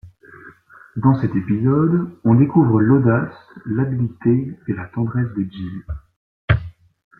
Dans cet épisode, on découvre l'audace, l'habileté et la tendresse de Jill.